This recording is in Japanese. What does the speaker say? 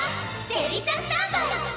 デリシャスタンバイ！